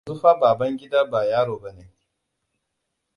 Yanzu fa Babangida ba yaro ba ne.